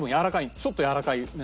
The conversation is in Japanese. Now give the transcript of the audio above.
ちょっとやわらかめ。